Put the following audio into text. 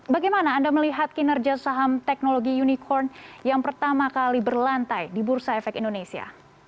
bagaimana anda melihat kinerja saham teknologi unicorn yang pertama kali berlantai di bursa efek indonesia